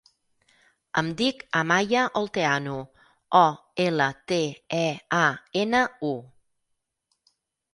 Em dic Amaya Olteanu: o, ela, te, e, a, ena, u.